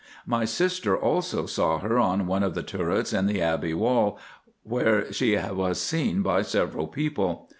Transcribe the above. My sister also saw her on one of the turrets in the Abbey wall, where she was seen by several people.